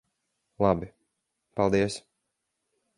Labi. Paldies.